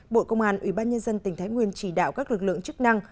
bộ công an ủy ban nhân dân tỉnh thái nguyên chỉ đạo các lực lượng chức năng